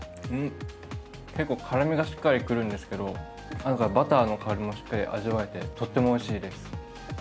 結構辛みがしっかり来るんですけど、バターの辛みもしっかり味わえてとってもおいしいです。